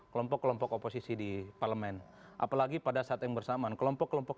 kelompok kelompok oposisi di parlemen apalagi pada saat yang bersamaan kelompok kelompok